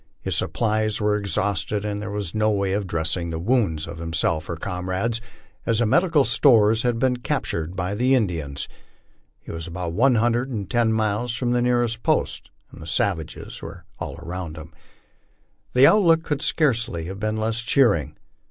His supplies were exhausted, and there was no way of dressing the wounds of himself or comrades, as the medical stores had been captured by the Indians. He was about one hundred and ten miles from the nearest post, and savages we're all around him. The outlook could scarcely have been less cheering.